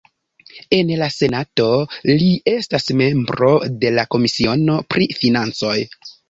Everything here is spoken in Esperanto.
En la Senato, li estas membro de la komisiono pri financoj.